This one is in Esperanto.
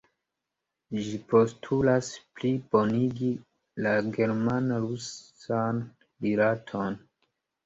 Ĝi postulas plibonigi la german-rusan rilaton.